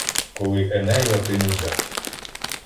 Коли Еней Латину зять.